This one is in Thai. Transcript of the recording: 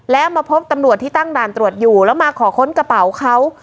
แล้วมาพบตำรวจที่ตั้งด่านตรวจอยู่แล้วมาขอค้นกระเป๋าเขา